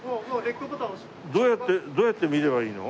どうやってどうやって見ればいいの？